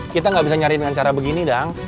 kita gak bisa nyari dengan cara begini dong